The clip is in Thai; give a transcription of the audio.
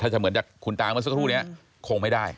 ถ้าจะเหมือนจากคุณตาเมื่อสักครู่นี้คงไม่ได้